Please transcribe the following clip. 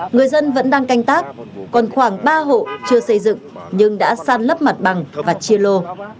người dân vẫn đang canh tác còn khoảng ba hộ chưa xây dựng nhưng đã san lấp mặt bằng và chia lô